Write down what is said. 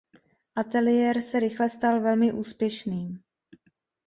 Ateliér se rychle stal velmi úspěšným.